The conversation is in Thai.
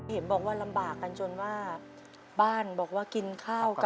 เห็นบอกว่าลำบากกันจนว่าบ้านบอกว่ากินข้าวกัน